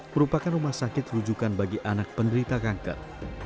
merupakan rumah sakit rujukan bagi anak penderita kanker